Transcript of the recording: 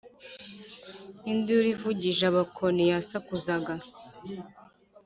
Induru ivugije abakoni ya sakuzaga